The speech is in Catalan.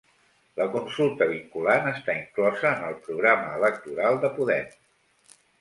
La consulta vinculant està inclosa en el programa electoral de Podem